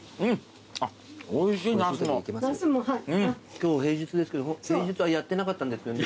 今日平日ですけど平日はやってなかったんですよね。